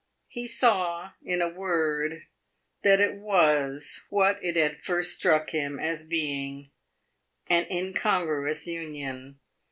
He saw, in a word, that it was what it had first struck him as being an incongruous union.